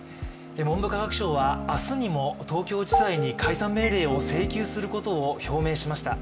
文部科学省は明日にも東京地裁に解散命令を請求することを表明しました。